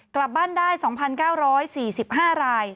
กลับบ้านได้๒๙๔๕ราย